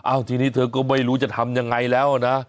ทีนี้เธอก็ไม่รู้จะทำยังไงแล้วนะ